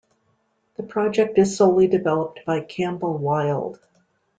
The project is solely developed by Campbell Wild.